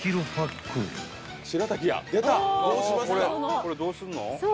これどうすんの？